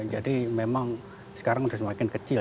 jadi memang sekarang semakin kecil